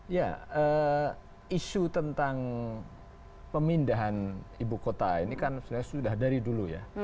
ya isu tentang pemindahan ibu kota ini kan sebenarnya sudah dari dulu ya